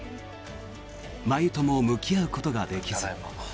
真夢とも向き合うことができず。